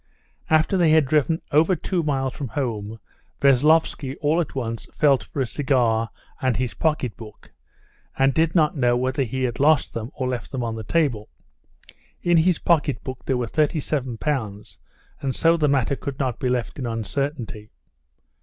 After they had driven over two miles from home, Veslovsky all at once felt for a cigar and his pocketbook, and did not know whether he had lost them or left them on the table. In the pocketbook there were thirty seven pounds, and so the matter could not be left in uncertainty.